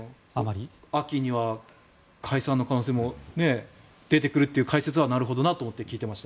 秋には解散の可能性も出てくるという解説はなるほどなと思って聞いていました。